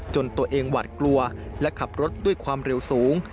ตัวเองหวัดกลัวและขับรถด้วยความเร็วสูง